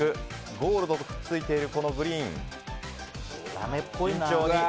ゴールドとくっついているグリーン。